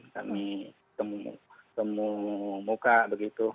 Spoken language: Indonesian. kami temu muka begitu